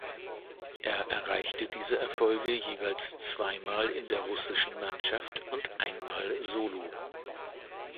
Er erreichte diese Erfolge jeweils zweimal in der russischen Mannschaft und einmal solo.